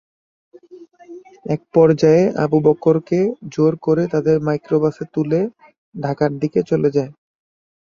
একপর্যায়ে আবু বকরকে জোর করে তাদের মাইক্রোবাসে তুলে ঢাকার দিকে চলে যায়।